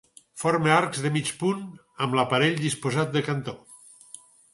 Forma arcs de mig punt amb l'aparell disposat de cantó.